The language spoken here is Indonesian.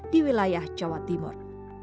di wilayah jawa timur